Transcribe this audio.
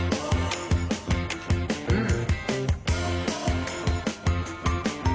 うん！